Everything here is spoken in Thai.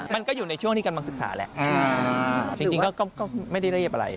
มันก็อยู่ในช่วงที่กำลังศึกษาแหละจริงก็ไม่ได้รีบอะไร